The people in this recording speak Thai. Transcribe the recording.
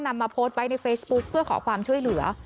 นำมาโพสต์ไว้ในเฟซบุ๊คเพื่อขอความช่วยเหลือ